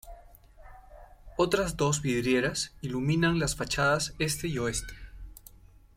Otras dos vidrieras iluminan las fachadas este y oeste.